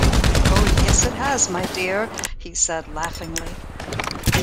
"Oh, yes, it has, my dear," he said laughingly.